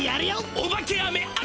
おばけあめあるよ！